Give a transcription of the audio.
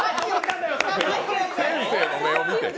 先生の目を見て。